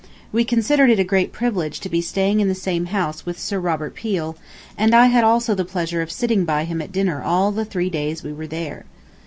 We considered it a great privilege to be staying in the same house with Sir Robert Peel, and I had also the pleasure of sitting by him at dinner all the three days we were there.